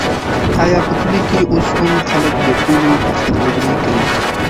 آیا په کلي کې اوس هم خلک د پولو په سر جګړې کوي؟